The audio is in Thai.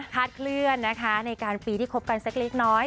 เคลื่อนนะคะในการปีที่คบกันสักเล็กน้อย